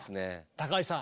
高橋さん